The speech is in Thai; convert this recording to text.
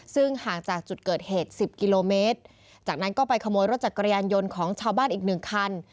ซึ่งห่างจากจุดเกิดเหตุสิบกิโลเมตรจากนั้นก็ไปขโมยรถจักรยานยนต์ของชาวบ้านอีกหนึ่งคัน